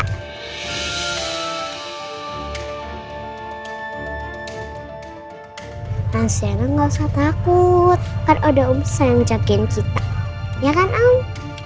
tante siana gak usah takut kan udah om sera yang jagain kita ya kan om